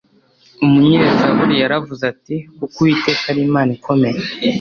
umunyezaburi yaravuze ati kuko uwiteka ari imana ikomeye